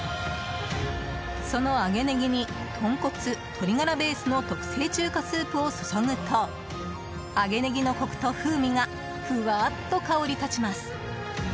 その揚げネギに、豚骨鶏ガラベースの特製中華スープを注ぐと揚げネギのコクと風味がふわーっと香り立ちます。